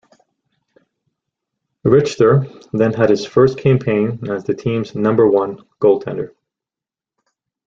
Richter then had his first campaign as the team's number-one goaltender.